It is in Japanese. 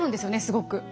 すごく。